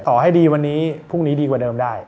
ต่อให้ดีวันนี้พรุ่งนี้ดีกว่าเดิมได้